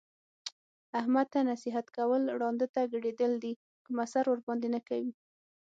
احمد ته نصیحت کول ړانده ته ګډېدل دي کوم اثر ورباندې نه کوي.